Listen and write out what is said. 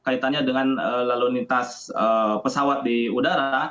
nah ini adalah penyelenggaraan air dengan lalu nintas pesawat di udara